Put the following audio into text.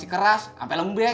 masih keras sampe lembek